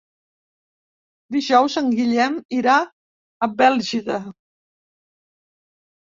Dijous en Guillem irà a Bèlgida.